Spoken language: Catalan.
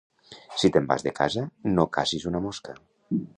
Si te'n vas de casa no cacis una mosca